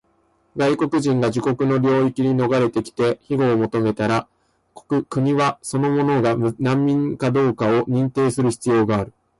外国人が自国の領域に逃れてきて庇護を求めたら、国はその者が難民かどうかを認定する必要がある。